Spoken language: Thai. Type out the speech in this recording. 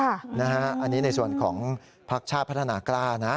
อันนี้ในส่วนของพักชาติพัฒนากล้านะ